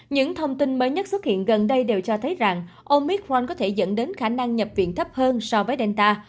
những thông tin mới nhất xuất hiện gần đây đều cho thấy rằng omit fran có thể dẫn đến khả năng nhập viện thấp hơn so với delta